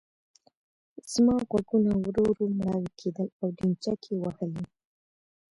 زما غوږونه ورو ورو مړاوي کېدل او ډينچکې وهلې.